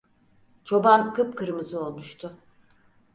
Çoban kıpkırmızı olmuştu.